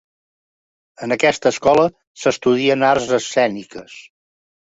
En aquesta escola s'estudien arts escèniques.